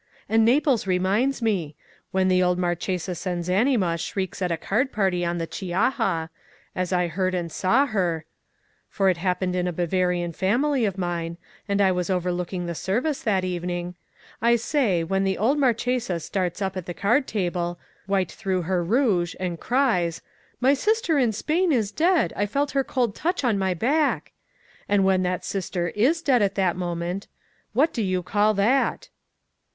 And Naples reminds me! When the old Marchesa Senzanima shrieks at a card party on the Chiaja—as I heard and saw her, for it happened in a Bavarian family of mine, and I was overlooking the service that evening—I say, when the old Marchesa starts up at the card table, white through her rouge, and cries, "My sister in Spain is dead! I felt her cold touch on my back!"—and when that sister is dead at the moment—what do you call that?